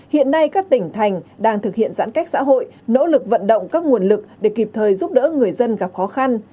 hiện nay các tỉnh thành đang thực hiện giãn cách xã hội nỗ lực vận động các nguồn lực để kịp thời giúp đỡ người dân gặp khó khăn